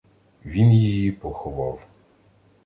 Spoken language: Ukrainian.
Він її поховав.